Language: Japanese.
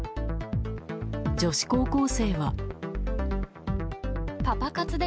女子高校生は。